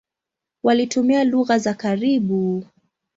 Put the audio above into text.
Walitumia lugha za karibu.